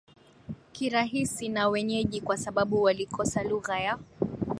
kirahisi na wenyeji kwa sababu walikosa lugha ya